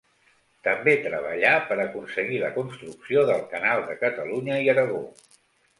També treballà per aconseguir la construcció del Canal de Catalunya i Aragó.